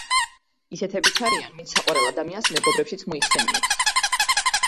ისეთებიც არიან, ვინც საყვარელ ადამიანს მეგობრებშიც მოიხსენიებს.